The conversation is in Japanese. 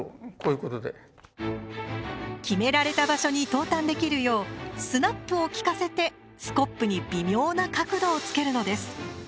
決められた場所に投炭できるようスナップを利かせてスコップに微妙な角度をつけるのです。